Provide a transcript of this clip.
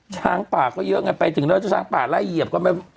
ช้างป่าก็เยอะไงไปถึงแล้วจะช้างป่าไล่เหยียบก็ไม่